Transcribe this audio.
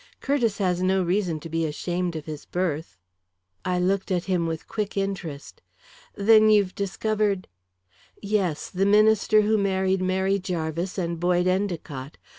"Curtiss has no reason to be ashamed of his birth." I looked at him with quick interest. "Then you've discovered " "Yes; the minister who married Mary Jarvis and Boyd Endicott.